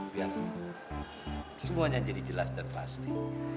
biar semuanya jadi jelas dan pasti